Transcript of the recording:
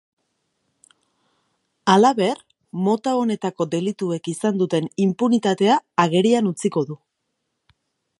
Halaber, mota honetako delituek izan duten inpunitatea agerian utziko du.